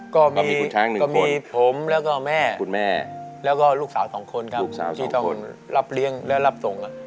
ก็มีผมแล้วก็แม่แล้วก็ลูกสาว๒คนที่ต้องรับเลี้ยงและรับส่ง